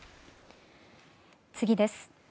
次です。